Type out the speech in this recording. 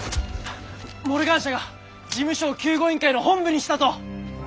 モルガン社が事務所を救護委員会の本部にしたと。